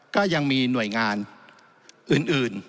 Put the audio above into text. ก็ยังมีหน่วยงานอื่น